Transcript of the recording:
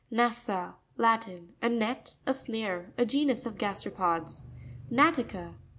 Na'ssa.—Latin. A net, a snare. genus of gasteropods. Na'tica.